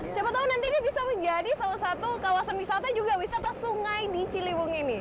siapa tahu nanti ini bisa menjadi salah satu kawasan wisata juga wisata sungai di ciliwung ini